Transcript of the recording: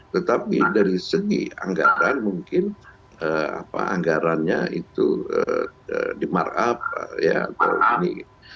tetapi dari segi anggaran mungkin anggarannya itu di markup atau ini